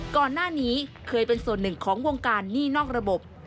ก่อนหน้านี้เคยเป็นส่วนหนึ่งของวงการหนี้นอกระบบ